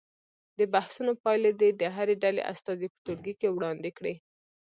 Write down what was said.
د بحثونو پایلې دې د هرې ډلې استازي په ټولګي کې وړاندې کړي.